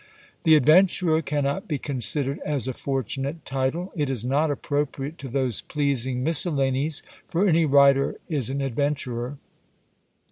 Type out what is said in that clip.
The "Adventurer" cannot be considered as a fortunate title; it is not appropriate to those pleasing miscellanies, for any writer is an adventurer.